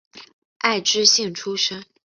爱知县出身。